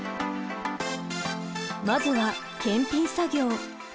まずは検品作業。